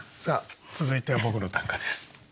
さあ続いては僕の短歌です。